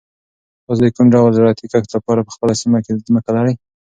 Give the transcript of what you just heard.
تاسو د کوم ډول زراعتي کښت لپاره په خپله سیمه کې ځمکه لرئ؟